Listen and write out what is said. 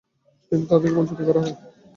কিন্তু তাদেরকে বঞ্চিত করা হয়।